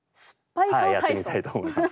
やってみたいと思います。